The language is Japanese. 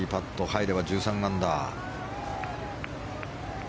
入れば１３アンダー。